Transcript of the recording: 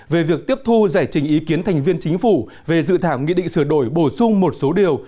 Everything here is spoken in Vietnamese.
về việc tiếp thu giải trình ý kiến thành viên chính phủ về dự thảo nghị định sửa đổi bổ sung một số điều